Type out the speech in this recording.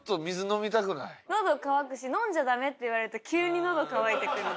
のど渇くし「飲んじゃダメ」って言われると急にのど渇いてくる。